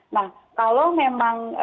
nah kalau memang